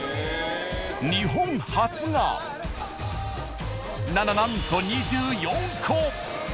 日本初がなななんと２４個！